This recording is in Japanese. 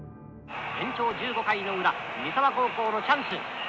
延長１５回の裏三沢高校のチャンス。